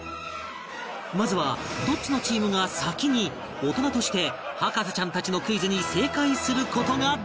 まずはどっちのチームが先に大人として博士ちゃんたちのクイズに正解する事ができるのか？